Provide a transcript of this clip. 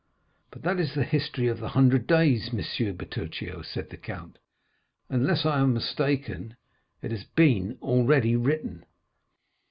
"But that is the history of the Hundred Days, M. Bertuccio," said the count; "unless I am mistaken, it has been already written."